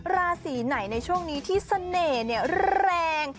ราศีไหนในช่วงนี้ที่เสน่ห์แรง